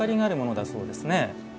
そうですね。